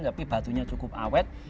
tapi batunya cukup awet